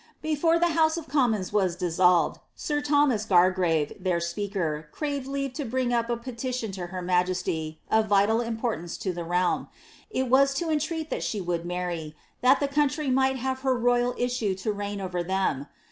Before the house of commons was dissolved, sir Thomas Gar* ^ve, their speaker, craved leave to bring up a petition to her majesty, of vital importance to the realm ; it was to entreat that she would aiirr\', that the country might have her royal issue to reign over tliem.